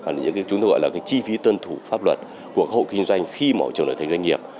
chúng ta gọi là cái chi phí tuân thủ pháp luật của hộ kinh doanh khi mở trường đổi thành doanh nghiệp